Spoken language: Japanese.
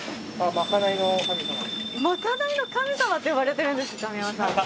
「まかないの神様」って呼ばれてるんですね上山さん。